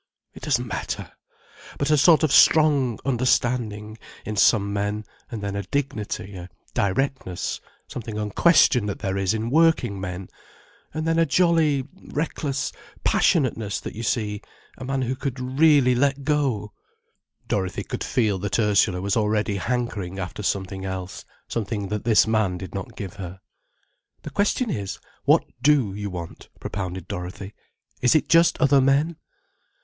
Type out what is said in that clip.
"It doesn't matter. But a sort of strong understanding, in some men, and then a dignity, a directness, something unquestioned that there is in working men, and then a jolly, reckless passionateness that you see—a man who could really let go——" Dorothy could feel that Ursula was already hankering after something else, something that this man did not give her. "The question is, what do you want," propounded Dorothy. "Is it just other men?"